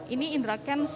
ini indra kents